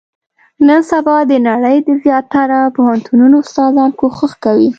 نن سبا، د نړۍ د زیاتره پوهنتونو استادان، کوښښ کوي.